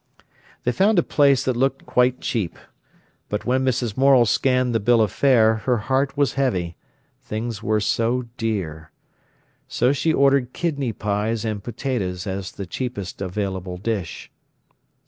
They found a place that looked quite cheap. But when Mrs. Morel scanned the bill of fare, her heart was heavy, things were so dear. So she ordered kidney pies and potatoes as the cheapest available dish.